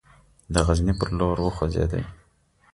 د غزني پر لور وخوځېدی.